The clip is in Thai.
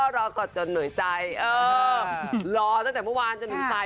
รอก่อนจนเหนื่อยใจเออรอตั้งแต่เมื่อวานจนเหนื่อยใจ